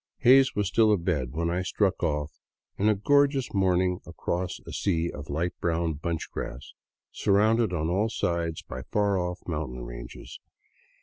Hays was still abed when I struck off in a gorgeous morning across a sea of light brown bunch grass, surrounded on all sides by far off mountain ranges.